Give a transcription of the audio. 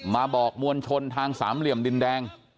มาบอกมวลชนทางสามเหลี่ยมดินแดง